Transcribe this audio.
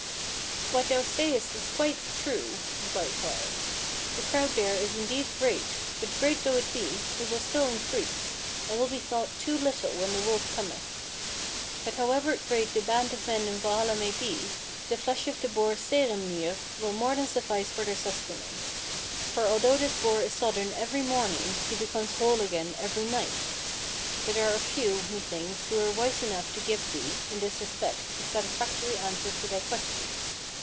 "What thou sayest is quite true," replied Har, "the crowd there is indeed great, but great though it be, it will still increase, and will be thought too little when the wolf cometh. But however great the band of men in Valhalla may be, the flesh of the boar Sæhrimnir will more than suffice for their sustenance. For although this boar is sodden every morning he becomes whole again every night. But there are few, methinks, who are wise enough to give thee, in this respect, a satisfactory answer to thy question.